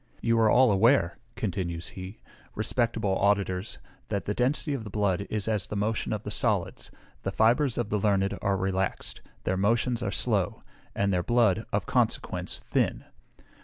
You are all aware," continues he, "respectable auditors, that the density of the blood is as the motion of the solids; the fibres of the learned are relaxed, their motions are slow, and their blood, of consequence, thin.